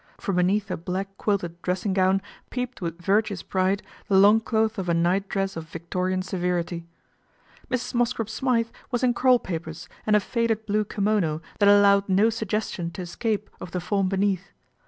From beneath a black quilted dressing gown peeped with virtuous pride the longcloth of a nightdress of Victorian severity. Mrs. Mosscrop Smythe was in curl papers and a faded blue kimono that allowed no suggestion to escape of the form beneath.